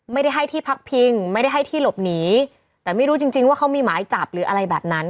ไม่ได้ให้ที่พักพิงไม่ได้ให้ที่หลบหนีแต่ไม่รู้จริงจริงว่าเขามีหมายจับหรืออะไรแบบนั้น